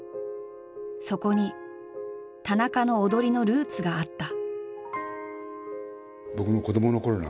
そこに田中の踊りのルーツがあった。